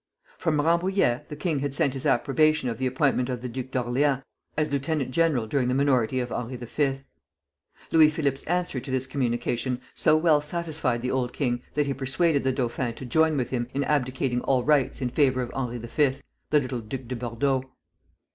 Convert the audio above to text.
From Rambouillet the king had sent his approbation of the appointment of the Duke of Orleans as lieutenant general during the minority of Henri V. Louis Philippe's answer to this communication so well satisfied the old king that he persuaded the dauphin to join with him in abdicating all rights in favor of Henri V., the little Duc de Bordeaux.